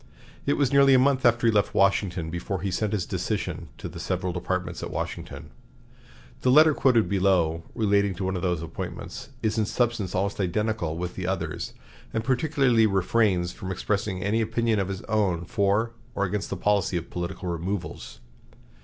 It was nearly a month after he left Washington before he sent his decision to the several departments at Washington. The letter quoted below, relating to one of these appointments, is in substance almost identical with the others, and particularly refrains from expressing any opinion of his own for or against the policy of political removals.